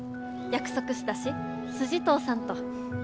約束したし筋通さんと。